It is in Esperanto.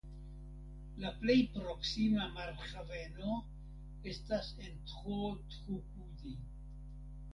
La plej proksima marhaveno estas en Thoothukudi.